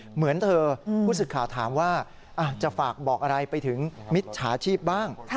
เหมือนเธอผู้สึกข่าวถามว่าจะฝากบอกอะไรไปถึงมิจฉาชีพบ้าง